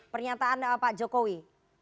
pernyataan pak jokowi